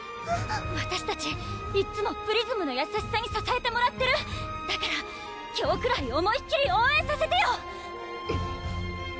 わたしたちいっつもプリズムの優しさにささえてもらってるだから今日くらい思いっきり応援させてよ！